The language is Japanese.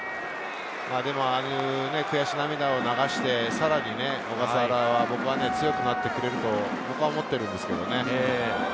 ああいう悔し涙を流して、さらに小笠原は僕は強くなってくれると思っています。